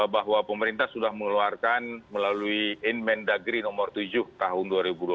bahwa pemerintah sudah mengeluarkan melalui inmen dagri nomor tujuh tahun dua ribu dua puluh satu